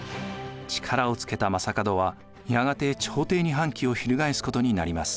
力をつけた将門はやがて朝廷に反旗を翻すことになります。